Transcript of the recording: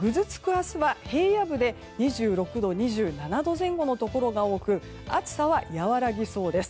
明日は平野部で２６度２７度前後のところが多く暑さは和らぎそうです。